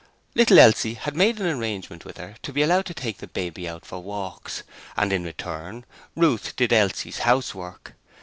Little Elsie had made an arrangement with her to be allowed to take the baby out for walks, and in return Ruth did Elsie's housework.